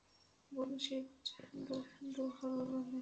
Bullshit ডুভালকে বলুন এসব কথা।